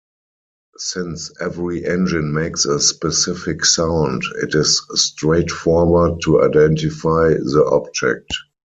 Since every engine makes a specific sound, it is straightforward to identify the object.